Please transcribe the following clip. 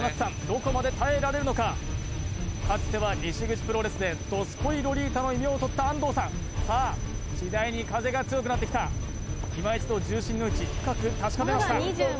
どこまで耐えられるのかかつては西口プロレスでドスコイロリータの異名をとった安藤さんさあ次第に風が強くなってきたいま一度重心の位置深く確かめました